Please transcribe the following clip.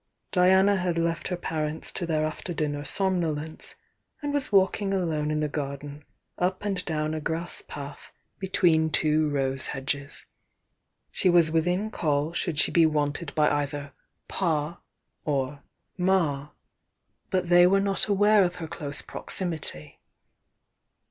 Diana had left her parents to their after cUnner somnolence, and was walking alone in liie garden, up and down a grass path between two rose hedges. She waa within call should she be wanted by either THE YOUNG DIANA 49 "Pa" or "Ma," but they were not aware of her close proximity.